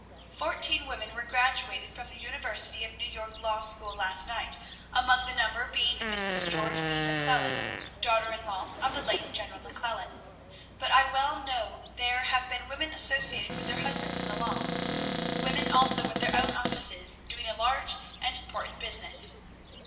'Fourteen women were graduated from the university of New York Law School last night, among the number being Mrs. George B. McClellan, daughter in law of the late General McClellan.' But I well know there have been women associated with their husbands in the law. Women also with their own offices, doing a large and important business.